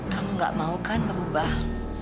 kamu gak mau kan merubah